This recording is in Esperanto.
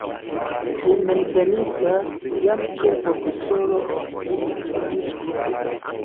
Hejmenveninta jam kiel profesoro li instruis plu.